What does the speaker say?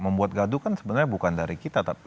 membuat gaduh kan sebenarnya bukan dari kita tapi